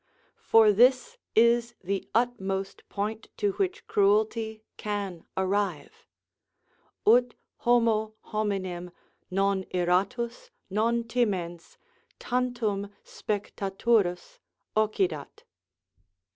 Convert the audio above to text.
For this is the utmost point to which cruelty can arrive: "Ut homo hominem, non iratus, non timens, tantum spectaturus, occidat."